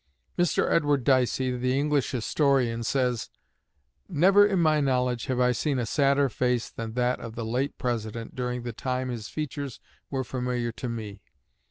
Mr. Edward Dicey, the English historian, says: "Never in my knowledge have I seen a sadder face than that of the late President during the time his features were familiar to me.